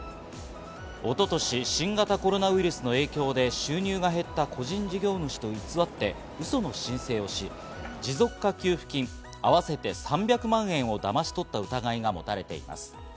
一昨年、新型コロナウイルスの影響で収入が減った個人事業主と偽ってウソの申請をし、持続化給付金合わせて３００万円をだまし取った疑いが持たれています。